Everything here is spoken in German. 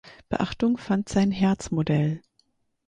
Beachtung fand sein Herzmodell.